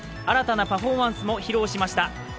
新たなパフォーマンスも披露しました。